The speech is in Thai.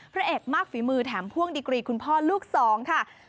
พระเอกมากฝีมือแถมพ่วงดีกรีคุณพ่อลูกสองค่ะ